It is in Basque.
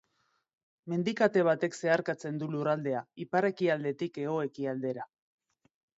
Mendi kate batek zeharkatzen du lurraldea ipar-ekialdetik hego-ekialdera.